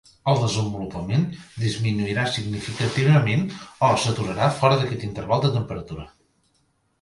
El desenvolupament disminuirà significativament o s'aturarà fora d'aquest interval de temperatura.